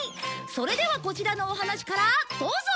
それではこちらのお話からどうぞ！